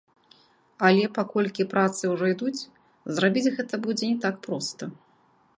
Але паколькі працы ўжо ідуць, зрабіць гэта будзе не так проста.